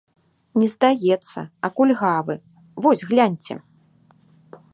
Не здаецца, а кульгавы, вось гляньце.